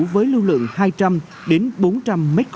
với lưu lượng hai trăm linh bốn trăm linh m ba